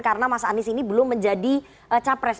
karena mas anies ini belum menjadi capres